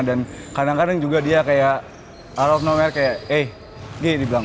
dan kadang kadang juga dia kayak out of nowhere kayak eh gini dibilang